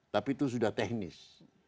tapi itu sudah teknis